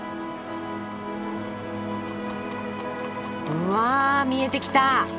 うわ見えてきた！